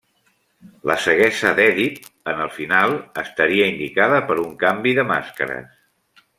La ceguesa d'Èdip en el final estaria indicada per un canvi de màscares.